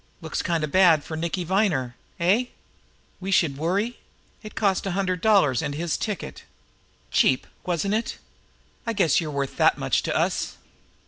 Looks kind of bad for Nicky Viner eh? We should worry! It cost a hundred dollars and his ticket. Cheap, wasn't it? I guess you're worth that much to us."